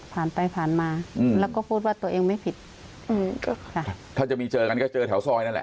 ผ่านไปผ่านมาอืมแล้วก็พูดว่าตัวเองไม่ผิดอืมก็ค่ะถ้าจะมีเจอกันก็เจอแถวซอยนั่นแหละ